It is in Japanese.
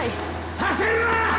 させるな！